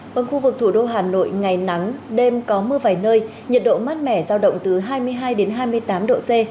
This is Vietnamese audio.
vâng khu vực thủ đô hà nội ngày nắng đêm có mưa vài nơi nhiệt độ mát mẻ giao động từ hai mươi hai đến hai mươi tám độ c